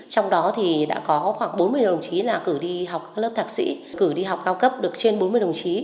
trong đó thì đã có khoảng bốn mươi đồng chí là cử đi học các lớp thạc sĩ cử đi học cao cấp được trên bốn mươi đồng chí